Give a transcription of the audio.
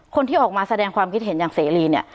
คนที่ออกมาแสดงความคิดเห็นอย่างเสรีเนี่ย